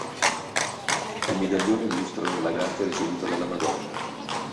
I medaglioni illustrano la grazia ricevuta dalla Madonna.